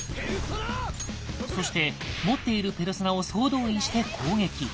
そして持っているペルソナを総動員して攻撃。